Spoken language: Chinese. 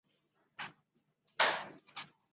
江某畸节蜱为节蜱科畸节蜱属下的一个种。